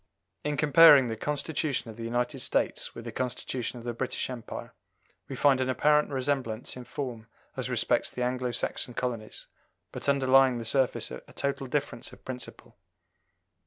In comparing the Constitution of the United States with the Constitution of the British Empire, we find an apparent resemblance in form as respects the Anglo Saxon colonies, but underlying the surface a total difference of principle.